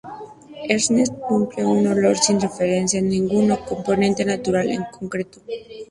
Ernest Beaux creó un olor sin referencia a ningún componente natural en concreto.